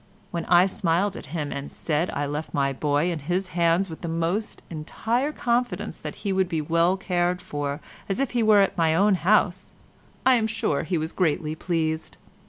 When I smiled at him and said I left my boy in his hands with the most entire confidence that he would be as well cared for as if he were at my own house, I am sure he was greatly pleased.